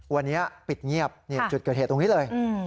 วันนี้ปิดเงียบจุดเกิดเหตุตรงนี้เลย